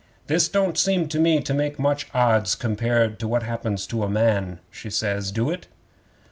'"This don't seem to me to make much odds compared to what happens to a man," she says. "Do it?"